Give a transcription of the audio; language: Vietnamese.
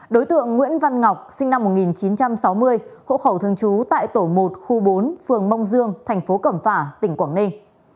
đối tượng nguyễn văn ngọc sinh năm một nghìn chín trăm sáu mươi hộ khẩu thường trú tại tổ một khu bốn phường mông dương thành phố cẩm phả tỉnh quảng ninh